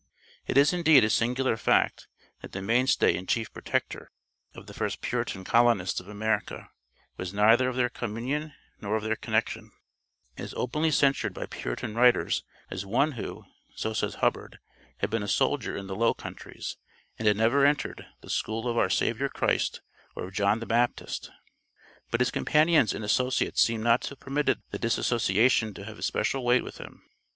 It is, indeed, a singular fact that the mainstay and chief protector of the first Puritan colonists of America was neither of their communion nor of their connection, and is openly censured by Puritan writers as one who, so says Hubbard, "had been a soldier in the Low Countries and had never entered the school of our Saviour Christ or of John the Baptist." But his companions and associates seem not to have permitted the dissociation to have had special weight with them.